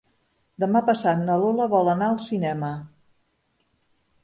Demà passat na Lola vol anar al cinema.